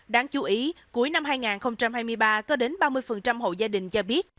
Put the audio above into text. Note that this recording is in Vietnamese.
đáng chú ý cuối năm hai nghìn hai mươi ba có đến ba mươi hộ gia đình cho biết